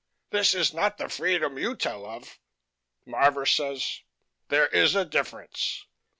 This is not the freedom you tell of." Marvor says: "There is a difference."